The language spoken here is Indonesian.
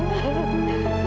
wera kenapa nangis